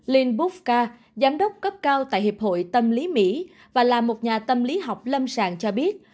linh bookar giám đốc cấp cao tại hiệp hội tâm lý mỹ và là một nhà tâm lý học lâm sàng cho biết